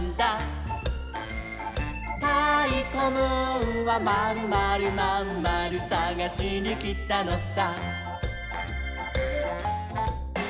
「たいこムーンはまるまるまんまるさがしにきたのさ」